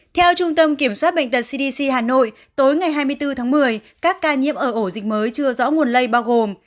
theo trung tâm kiểm soát bệnh tật cdc hà nội tối ngày hai mươi bốn tháng một mươi các ca nhiễm ở ổ dịch mới chưa rõ nguồn lây bao gồm